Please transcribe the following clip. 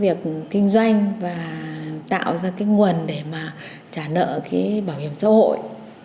việc kinh doanh và tạo ra cái nguồn để mà trả nợ cái bảo hiểm xã hội